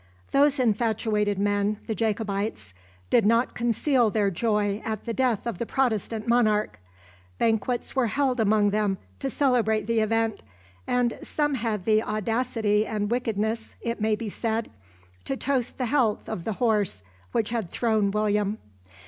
Those infatuated men, the Jacobites, did not conceal their joy at the death of the Protestant monarch. Banquets were held among them to celebrate the event, and some had the audacity and wickedness, it may be said, to toast the health of the horse which had thrown William.